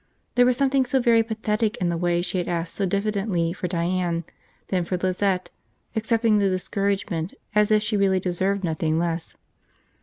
There was something so very pathetic in the way she had asked so diffidently for Diane, then for Lizette, accepting the discouragement as if she really deserved nothing less.